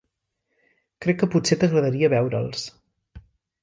Crec que potser t'agradaria veure'ls.